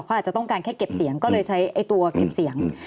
เขาอาจจะต้องการแค่เก็บเสียงก็เลยใช้ตัวเก็บเสียง